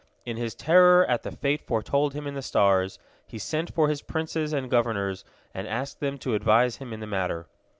In his terror at the fate foretold him in the stars, he sent for his princes and governors, and asked them to advise him in the matter.